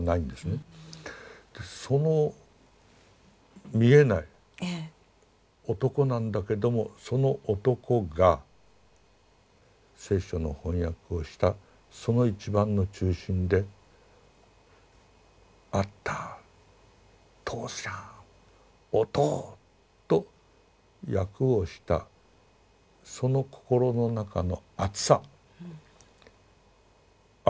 その見えない男なんだけどもその男が聖書の翻訳をしたその一番の中心で「アッター」「とうちゃん」「おとう」と訳をしたその心の中の熱さあっ